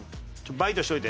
「バイトしといて」。